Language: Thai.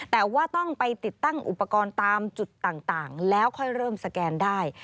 แต่ว่าต้องไปติดตั้งอุปกรณ์ตามจุดต่างแล้วค่อยเริ่มสแกนได้